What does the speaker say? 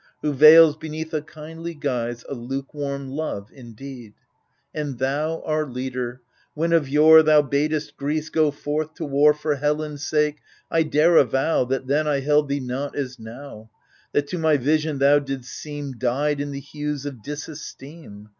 Who veils beneath a kindly guise A lukewarm love in deed. And thou, our leader — when of yore Thou badest Greece go forth to war For Helen's sake — I dare avow That then I held thee not as now ; That to my vision thou didst seem Dyed in the hues of disesteem.